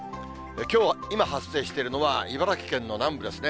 きょう、今発生しているのは、茨城県の南部ですね。